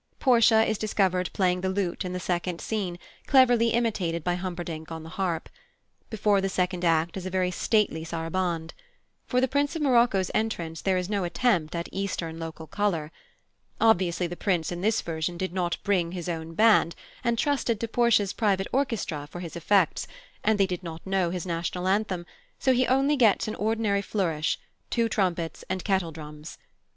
Portia is discovered playing the lute in the second scene, cleverly imitated by Humperdinck on the harp. Before the second act is a very stately saraband. For the Prince of Morocco's entrance there is no attempt at Eastern local colour. Obviously the Prince in this version did not bring his own band, and trusted to Portia's private orchestra for his effects, and they did not know his national anthem; so he only gets an ordinary flourish, two trumpets and kettledrums.